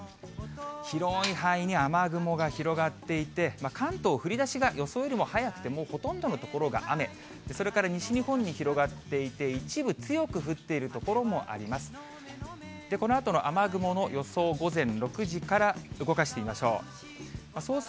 広い範囲に雨雲が広がっていて、関東、降りだしが予想よりも早くてもうほとんどの所が雨、それから西日本に広がっていて一部強く降っている所もあります。